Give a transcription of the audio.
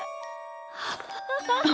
ハッハハハ。